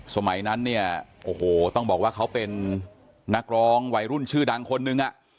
สมัยนั้นเนี่ยโอ้โหต้องบอกว่าเขาเป็นนักร้องวัยรุ่นชื่อดังคนนึงอ่ะ